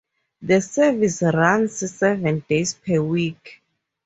The service runs seven days per week.